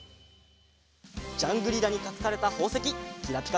ジャングリラにかくされたほうせききらぴか